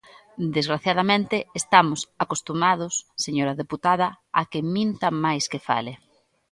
Desgraciadamente, estamos acostumados, señora deputada, a que minta máis que fale.